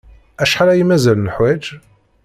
Acḥal ay mazal neḥwaj?